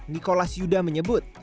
nicholas yuda menyebut